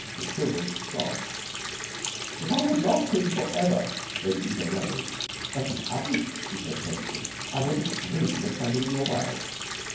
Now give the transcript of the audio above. Miss Chilvers sobbed. "If I have lost him for ever " Lady Eva rose. "But you haven't," she said pleasantly. "I wouldn't dream of standing in your way."